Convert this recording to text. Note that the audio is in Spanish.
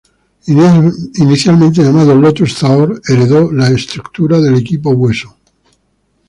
Inicialmente llamado Lotus-Zahor heredó la estructura del equipo Hueso.